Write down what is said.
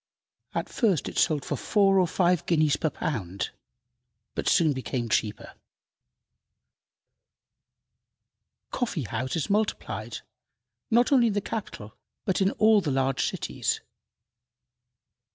At first it sold for four or five guineas per pound, but soon became cheaper. Coffee houses multiplied, not only in the capital, but in all the large cities.